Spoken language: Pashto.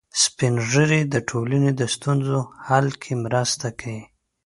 سپین ږیری د ټولنې د ستونزو حل کې مرسته کوي